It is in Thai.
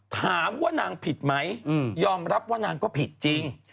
ถามว่านางผิดไหมยอมรับว่านางก็ผิดจริง